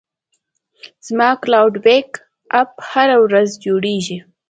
زما کلاوډ بیک اپ هره ورځ جوړېږي.